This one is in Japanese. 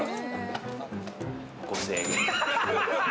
５０００円。